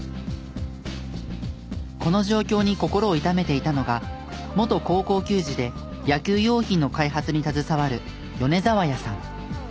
この状況に心を痛めていたのが元高校球児で野球用品の開発に携わる米沢谷さん。